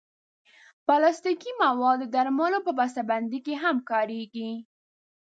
پلاستيکي مواد د درملو په بستهبندۍ کې هم کارېږي.